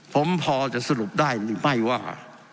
ผมพอจะสรุปได้หรือไม่ว่า